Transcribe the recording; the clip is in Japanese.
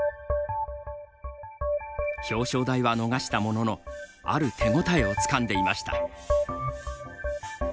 表彰台は逃したもののある手応えをつかんでいました。